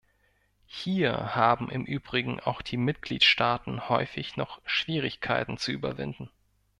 Hier haben im übrigen auch die Mitgliedstaaten häufig noch Schwierigkeiten zu überwinden.